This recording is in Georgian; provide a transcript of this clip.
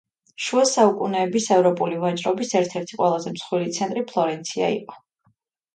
შუა საუკუნეების ევროპული ვაჭრობის ერთ-ერთი ყველაზე მსხვილი ცენტრი ფლორენცია იყო.